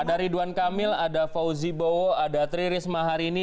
ada ridwan kamil ada fauzi bowo ada tri risma hari ini